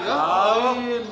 kenapa sih teriak teriak